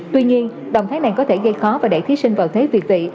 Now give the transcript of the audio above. tuy nhiên động thái này có thể gây khó và đẩy thí sinh vào thế việt vị